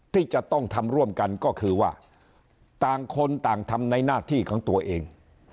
ที่จะต้องทำร่วมกันก็คือว่าต่างคนต่างทำในหน้าที่ของตัวเอง